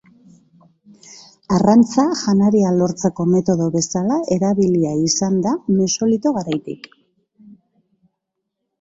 Arrantza janaria lortzeko metodo bezala erabilia izan da Mesolito garaitik.